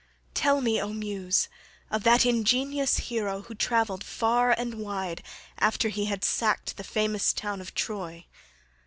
Tell me, O Muse, of that ingenious hero who travelled far and wide after he had sacked the famous town of Troy.